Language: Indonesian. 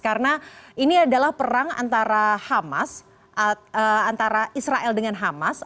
karena ini adalah perang antara hamas antara israel dengan hamas